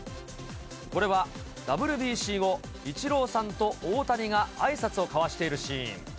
これは、ＷＢＣ後、イチローさんと大谷があいさつを交わしているシーン。